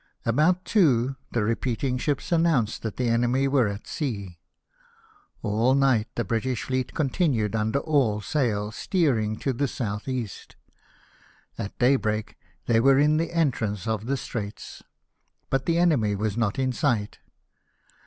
About two, the repeating ships announced that the enemy were at sea. All night the British fleet continued under all sail, steering to the south east. At daybreak they were in the entrance of the Straits, but the enemy were not in sight.